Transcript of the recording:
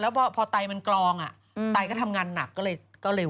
แล้วพอไตมันกลองไตก็ทำงานหนักก็เลยเร็ว